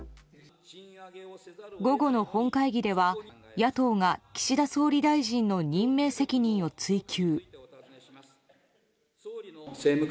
午後の本会議では野党が岸田総理大臣の任命責任を追及。